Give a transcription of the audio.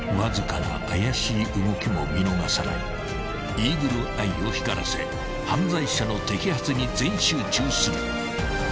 ［イーグルアイを光らせ犯罪者の摘発に全集中する］